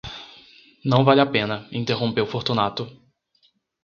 Não vale a pena, interrompeu Fortunato.